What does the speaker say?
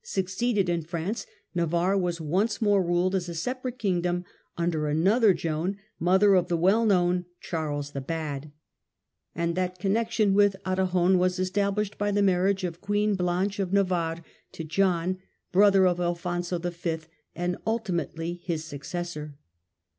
succeeded in France, 1274 T328 Navarre was once more ruled as a separate Kingdom under another Joan, mother of the well known Charles the Bad ; and that connection with Aragon was estab lished by the marriage of Queen Blanche of Navarre toAragouand John, brother of Alfonso V. and ultimately his successor.